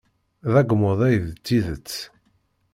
D agmuḍ ay d tidet.